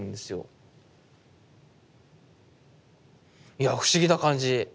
いや不思議な感じ。